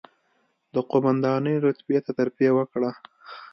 د قوماندانۍ رتبې ته ترفېع وکړه،